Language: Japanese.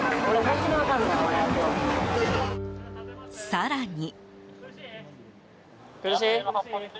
更に。